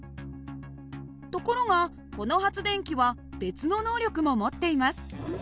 ところがこの発電機は別の能力も持っています。